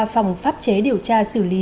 phòng pháp chế điều tra xử lý